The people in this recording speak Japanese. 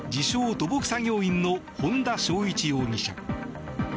・土木作業員の本田昭一容疑者。